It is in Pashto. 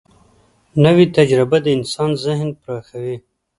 نوې تجربه د انسان ذهن پراخوي